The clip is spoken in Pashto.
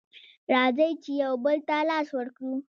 راځئ چې يو بل ته لاس ورکړو